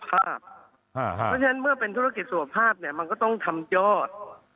เพราะฉะนั้นเมื่อเป็นธุรกิจสุขภาพมันก็ต้องทำยอด